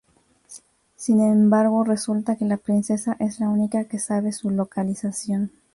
Sin embargo resulta que la princesa es la única que sabe su localización.